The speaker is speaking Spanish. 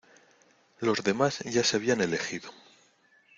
Los demás ya se habían elegido.